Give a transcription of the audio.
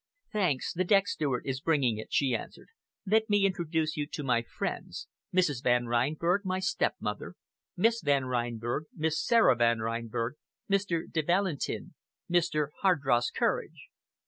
"Thanks, the deck steward is bringing it," she answered. "Let me introduce you to my friends Mrs. Van Reinberg my stepmother, Miss Van Reinberg, Miss Sara Van Reinberg, Mr. de Valentin Mr. Hardross Courage."